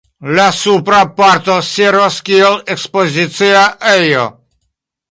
La supra parto servas kiel ekspozicia ejo.